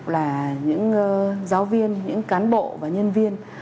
là những giáo viên những cán bộ và nhân viên